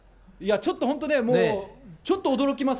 ちょっと本当ね、もう、ちょっと驚きますね。